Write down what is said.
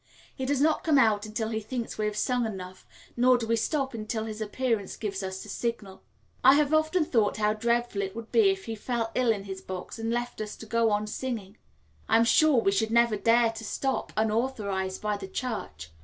He does not come out until he thinks we have sung enough, nor do we stop until his appearance gives us the signal. I have often thought how dreadful it would be if he fell ill in his box and left us to go on singing. I am sure we should never dare to stop, unauthorised by the Church.